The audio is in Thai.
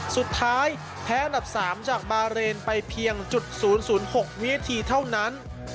สุดท้ายแพ้อันดับ๓จากบาเรนไปเพียง๐๐๖วินาทีเท่านั้น